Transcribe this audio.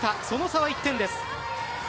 その差は１点です。